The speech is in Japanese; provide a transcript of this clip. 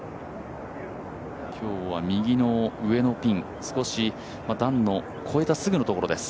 今日は右の上のピン少し段を越えたすぐのところです。